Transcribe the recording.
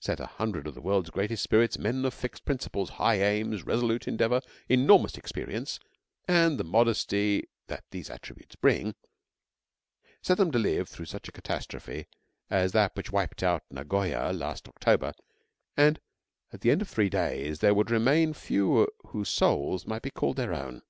Set a hundred of the world's greatest spirits, men of fixed principles, high aims, resolute endeavour, enormous experience, and the modesty that these attributes bring set them to live through such a catastrophe as that which wiped out Nagoya last October, and at the end of three days there would remain few whose souls might be called their own.